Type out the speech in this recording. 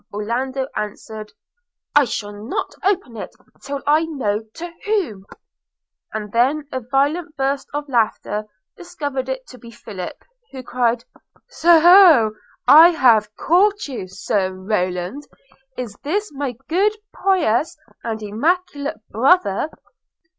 Orlando answered, 'I shall not open it till I know to whom;' – and then a violent burst of laughter discovered it to be Philip – who cried, 'Soho! have I caught you, Sir Roland? Is this my good, pious and immaculate brother?'